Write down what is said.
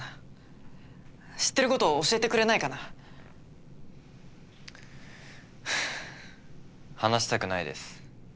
知ってること教えてくれないかな？はあ話したくないです。